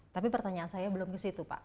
tapi pertanyaan saya belum ke situ pak